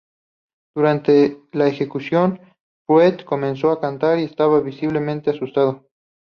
Durante la ejecución, Pruett comenzó a cantar y estaba visiblemente asustado.